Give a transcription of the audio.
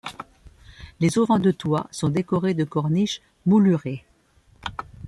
Les auvents de toits sont décorés de corniches moulurées.